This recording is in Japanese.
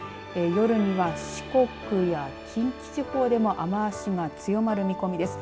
夜には四国や近畿地方でも雨足が強まる見込みです。